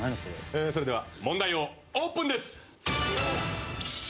「それでは問題をオープンです」